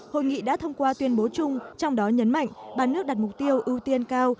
hội nghị đã thông qua tuyên bố chung trong đó nhấn mạnh ba nước đặt mục tiêu ưu tiên cao